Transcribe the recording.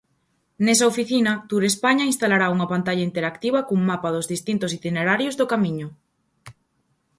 Nesa oficina, Turespaña instalará unha pantalla interactiva cun mapa dos distintos itinerarios do Camiño.